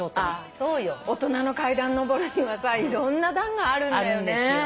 大人の階段のぼるにはさいろんな段があるんだよね。